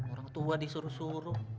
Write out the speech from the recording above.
orang tua disuruh suruh